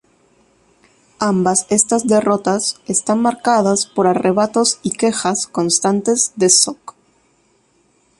Ambas estas derrotas están marcadas por arrebatos y quejas constantes de Sock.